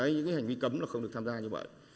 những hành vi cấm không được tham gia như vậy